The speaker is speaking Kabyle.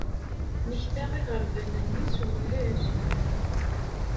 Nekta iɣerban-nni s umellal.